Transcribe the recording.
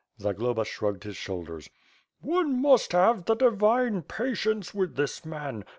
Zagloba shrugged his shoulders. "One must have the divine patience with this man.